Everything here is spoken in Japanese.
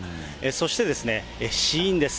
そして死因です。